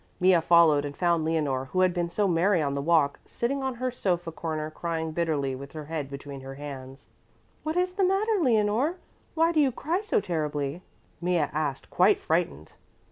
Mea followed and found Leonore, who had been so merry on the walk, sitting in her sofa corner, crying bitterly with her head between her hands. "What is the matter, Leonore? Why do you cry so terribly?" Mea, asked, quite frightened.